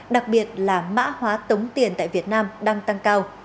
đặc biệt là mã hóa tống tiền tại việt nam đang tăng cao